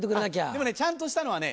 でもねちゃんとしたのはね